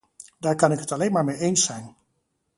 Daar kan ik het alleen maar mee eens zijn.